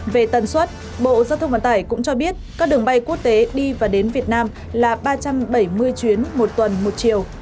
về tần suất bộ giao thông vận tải cũng cho biết các đường bay quốc tế đi và đến việt nam là ba trăm bảy mươi chuyến một tuần một chiều